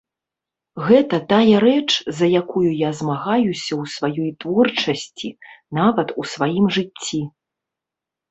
Гэта тая рэч, за якую я змагаюся ў сваёй творчасці, нават у сваім жыцці.